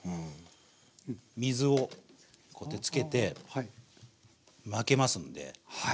水をこうやってつけて巻けますんで。